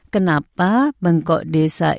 kenapa bengkok desa itu